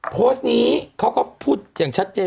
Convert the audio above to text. โพสต์นี้เขาก็พูดอย่างชัดเจน